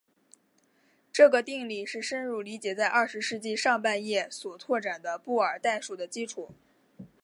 这个定理是深入理解在二十世纪上半叶所拓展的布尔代数的基础。